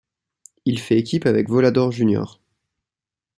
Il fait équipe avec Volador Jr.